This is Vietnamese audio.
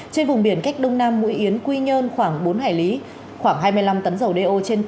trên vùng biển cách đông nam mũi yến quy nhơn khoảng bốn hải lý khoảng hai mươi năm tấn dầu đeo trên